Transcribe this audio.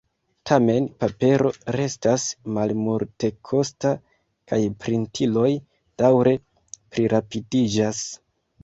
Tamen, papero restas malmultekosta, kaj printiloj daŭre plirapidiĝas.